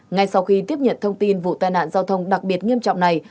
ngay sau khi tiếp nhận thông tin vụ tai nạn giao thông đặc biệt nghiêm trọng này